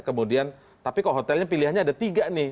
kemudian tapi kok hotelnya pilihannya ada tiga nih